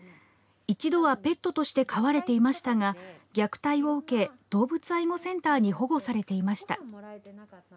一度はペットとして飼われていましたが虐待を受け、動物愛護センターに保護されていました。